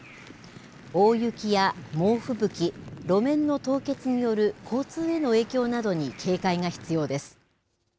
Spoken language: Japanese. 大雪や猛吹雪、路面の凍結による交通への影響などに警戒が必要です。